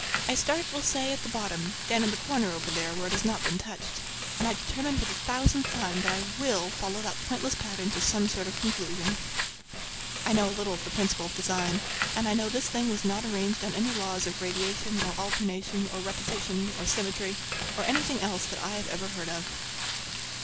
I start, we'll say, at the bottom, down in the corner over there where it has not been touched, and I determine for the thousandth time that I will follow that pointless pattern to some sort of a conclusion. I know a little of the principle of design, and I know this thing was not arranged on any laws of radiation, or alternation, or repetition, or symmetry, or anything else that I ever heard of.